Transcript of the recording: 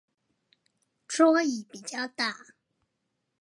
桌椅比較大